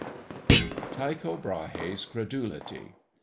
TYCHO BRAHE'S CREDULITY.